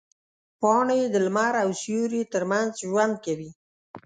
پاڼې د لمر او سیوري ترمنځ ژوند کوي.